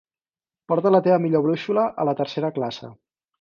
Porta la teva millor brúixola a la tercera classe.